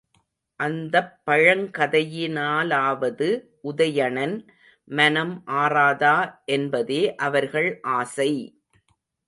அந்தப் பழங்கதையினாலாவது உதயணன், மனம் ஆறாதா என்பதே அவர்கள் ஆசை!